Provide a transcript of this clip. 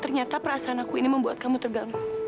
ternyata perasaanku ini membuat kamu terganggu